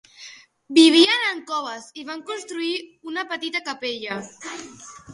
Vivien en coves i van construir una petita capella.